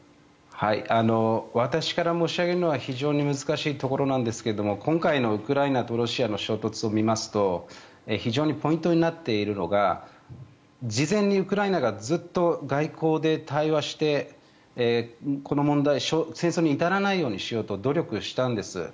私から申し上げるのは非常に難しいところなんですが今回のロシアとウクライナの衝突を見ますと非常にポイントになっているのが事前にウクライナがずっと外交で対話して戦争に至らないようにしようと努力したんです。